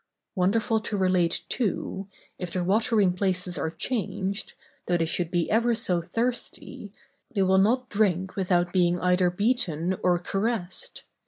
Wonderful to relate, too, if their watering places are changed, though they should be ever so thirsty, they will not drink without being either beaten or caressed.